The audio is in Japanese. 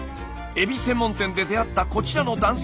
エビ専門店で出会ったこちらの男性。